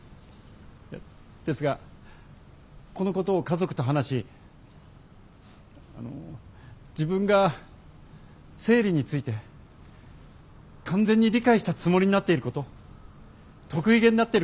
ですがこのことを家族と話しあの自分が生理について完全に理解したつもりになっていること得意げになってることに気付きました。